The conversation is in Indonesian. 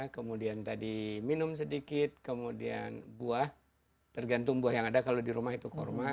kemudian tadi minum sedikit kemudian buah tergantung buah yang ada kalau di rumah itu kurma